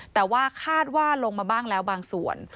แต่ว่าคาดว่าลงมาบ้างแล้วบางส่วน